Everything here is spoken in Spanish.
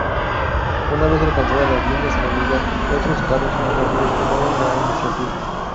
Una vez alcanzadas las líneas enemigas otros carros más rápidos tomaban la iniciativa.